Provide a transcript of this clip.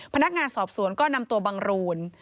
พนักงานสอบสวนก็นำตัวบังรูน